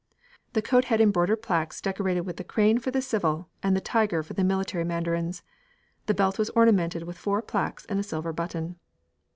The coat had embroidered plaques decorated with the crane for the civil, and the tiger for the military mandarins. The belt was ornamented with four plaques and a silver button.